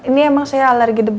ini emang saya alergi debat